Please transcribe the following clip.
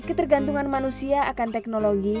ketergantungan manusia akan teknologi